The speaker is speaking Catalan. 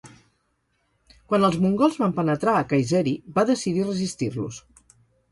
Quan els mongols van penetrar a Kayseri, va decidir resistir-los.